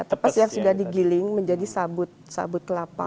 tepas yang sudah digiling menjadi sabut kelapa